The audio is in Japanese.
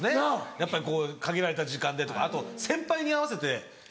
やっぱりこう限られた時間でとかあと先輩に合わせて。